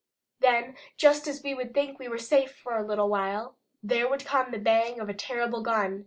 Then just as we would think we were safe for a little while, there would come the bang of a terrible gun.